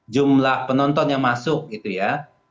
jumlah penonton yang masuk gitu ya